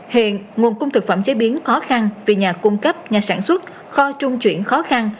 hiện nguồn cung thực phẩm chế biến khó khăn vì nhà cung cấp nhà sản xuất kho trung chuyển khó khăn